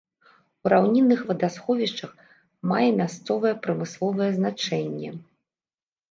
У раўнінных вадасховішчах мае мясцовае прамысловае значэнне.